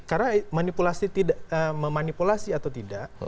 karena memanipulasi atau tidak